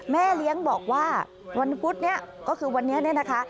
แม่เลี้ยงบอกว่าวันพุธนี้ก็คือวันนี้เนี่ยนะคะ